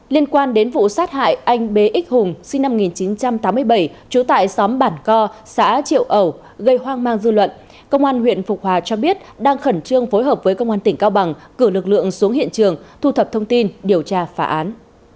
liên quan đến vụ sát hại anh bế ích hùng sinh năm một nghìn chín trăm tám mươi bảy trú tại xóm bản co xã triệu ẩu gây hoang mang dư luận công an huyện phục hòa cho biết đang khẩn trương phối hợp với công an tỉnh cao bằng cử lực lượng xuống hiện trường thu thập thông tin điều tra phá án